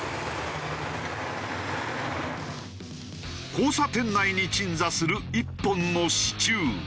交差点内に鎮座する１本の支柱。